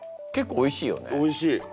おいしい。